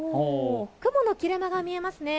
雲の切れ間が見えます。